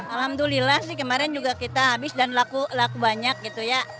alhamdulillah sih kemarin juga kita habis dan laku banyak gitu ya